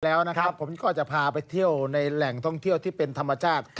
แล้วนะครับผมก็จะพาไปเที่ยวในแหล่งท่องเที่ยวที่เป็นธรรมชาติ